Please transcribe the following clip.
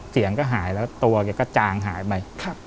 เสียงก็หายแล้วตัวแกก็จางหายไป